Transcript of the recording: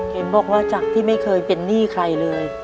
เห็นบอกว่าจากที่ไม่เคยเป็นหนี้ใครเลย